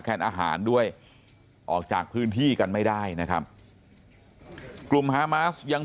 อาหารด้วยออกจากพื้นที่กันไม่ได้นะครับกลุ่มฮามาสยัง